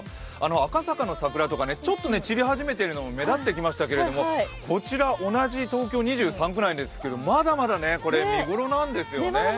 赤坂の桜とかちょっと散り始めているのも目立ってきましたけれども、こちら、同じ東京２３区内ですがまだまだ見頃なんですよね。